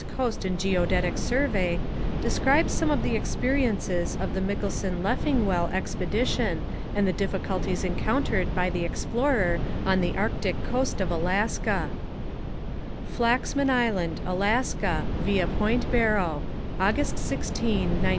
Coast and Geodetic Survey, describes some of the experiences of the Mikkelsen Leffingwell expedition and the difficulties encountered by the explorer on the Arctic coast of Alaska : Flaxman Island, Alaska, Via Point Barrow, August i6, 1907.